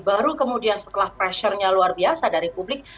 baru kemudian setelah pressure nya luar biasa dari publik